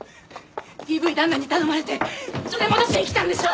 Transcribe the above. ＤＶ旦那に頼まれて連れ戻しに来たんでしょ！